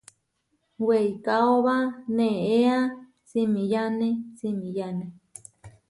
Weikaóba neéa simiyáne simiyáne.